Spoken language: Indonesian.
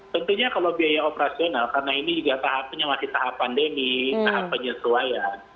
tentunya kalau biaya operasional karena ini juga tahapnya masih tahap pandemi tahap penyesuaian